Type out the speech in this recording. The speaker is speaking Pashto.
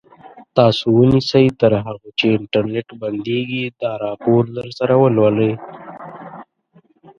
تاسو ونیسئ تر هغو چې انټرنټ بندېږي دا راپور درسره ولولئ.